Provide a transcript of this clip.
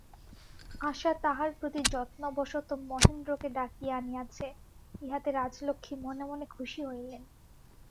আশা তাঁহার প্রতি যত্নবশত মহেন্দ্রকে ডাকিয়া আনিয়াছে, ইহাতে রাজলক্ষ্মী মনে মনে খুশি হইলেন।